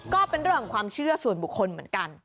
ก็เป็นเรื่องของความเชื่อส่วนบุคคลเหมือนกัน